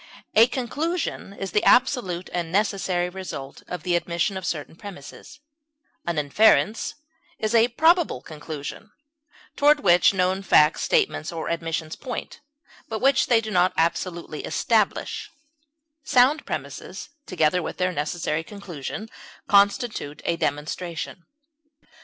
A conclusion is the absolute and necessary result of the admission of certain premises; an inference is a probable conclusion toward which known facts, statements, or admissions point, but which they do not absolutely establish; sound premises, together with their necessary conclusion, constitute a demonstration.